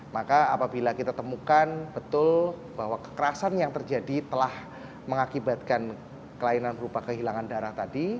maka apabila kita temukan betul bahwa kekerasan yang terjadi telah mengakibatkan kelainan berupa kehilangan darah tadi